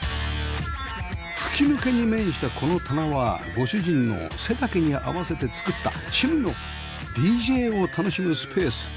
吹き抜けに面したこの棚はご主人の背丈に合わせて作った趣味の ＤＪ を楽しむスペース